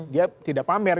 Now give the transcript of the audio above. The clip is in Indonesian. dia tidak pamer